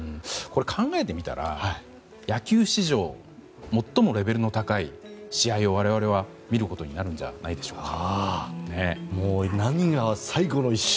考えてみたら野球史上最もレベルの高い試合を、我々は見ることになるんじゃないでしょうか。